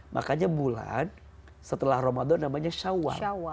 makanya bulan setelah ramadan namanya syawah